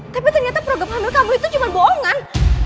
tapi ternyata program hamil kabur itu cuma bohongan